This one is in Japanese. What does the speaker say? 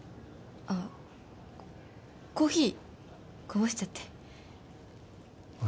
コーヒーこぼしちゃってあっ